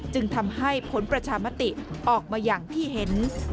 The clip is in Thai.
จึงทำให้ผลประชามติออกมาอย่างที่เห็น